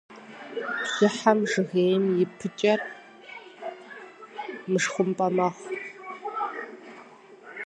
Бжьыхьэм жыгейм и пыкӏэр, мышхумпӏэр, мэхъу.